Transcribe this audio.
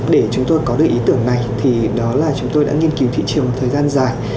để chúng tôi có được ý tưởng này thì đó là chúng tôi đã nghiên cứu thị trường một thời gian dài